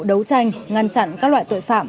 đấu tranh ngăn chặn các loại tội phạm